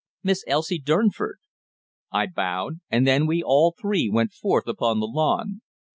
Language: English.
"Miss Elsie Durnford." I bowed, and then we all three went forth upon the lawn.